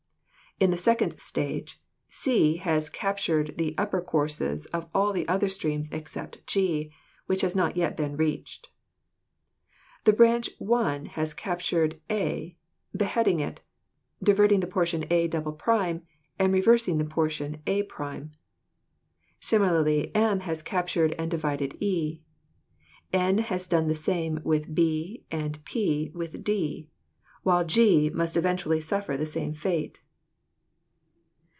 In the second stage, c has captured the upper courses of all the other streams except g, which has not yet been reached. The branch 1 has captured a, beheading it, diverting the portion a" and reversing the portion a'. Similarly m has captured and divided e; n has done the same with b and p with d, while g must eventually suffer the same fate.